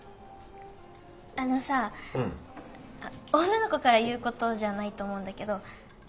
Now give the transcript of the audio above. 女の子から言うことじゃないと思うんだけど。